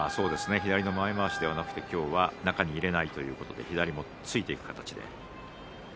左の前まわしではなくて今日は中に入れないということで左も突いていく形。